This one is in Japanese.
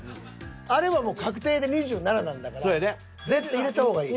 あれは確定で２７なんだから絶対入れた方がいい。